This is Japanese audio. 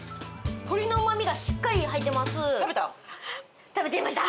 鶏の旨味がしっかり入ってます。